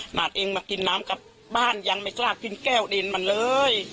หัดเองมากินน้ำกลับบ้านยังไม่กล้ากินแก้วดินมันเลย